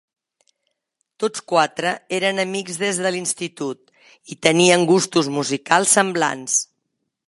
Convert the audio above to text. Tots quatre eren amics des de l'institut i tenien gustos musicals semblants.